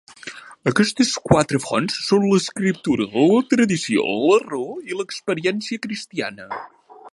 Aquestes quatre fonts són l'escriptura, la tradició, la raó i l'experiència cristiana.